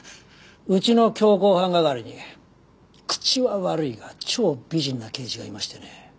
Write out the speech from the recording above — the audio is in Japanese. うちの強行犯係に口は悪いが超美人な刑事がいましてね。